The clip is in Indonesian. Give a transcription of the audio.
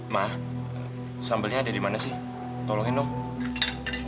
ma sambelnya ada di mana sih tolongin dong